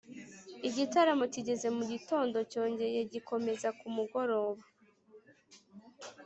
Igitaramo kigeze mu gitondo cyongere gikomeze ku mugoroba